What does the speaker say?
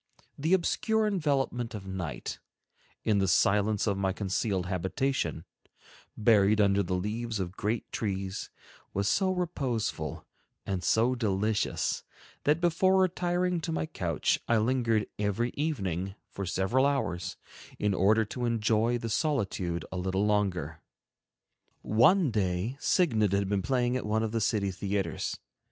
The obscure envelopment of night, in the silence of my concealed habitation, buried under the leaves of great trees, was so reposeful and so delicious, that before retiring to my couch I lingered every evening for several hours in order to enjoy the solitude a little longer. One day "Signad" had been played at one of the city theaters.